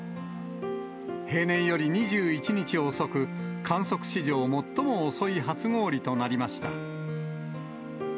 平年より２１日遅く、観測史上最も遅い初氷となりました。